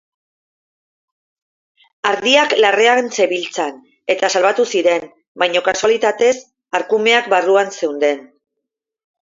Ardiak larrean zebiltzan eta salbatu ziren, baina kasualitatez arkumeak barruan zeuden.